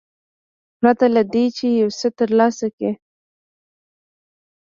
پرته له دې چې یو څه ترلاسه کړي.